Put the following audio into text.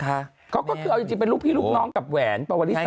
เขาก็คือเอาจริงเป็นลูกพี่ลูกน้องกับแหวนปวริสา